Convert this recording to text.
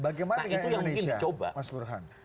bagaimana dengan indonesia mas burhan